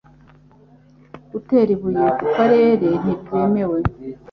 Gutera ibuye ku karere ntibyemewe